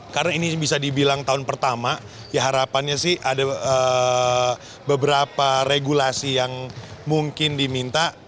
karena ini bisa dibilang tahun pertama ya harapannya sih ada beberapa regulasi yang mungkin diminta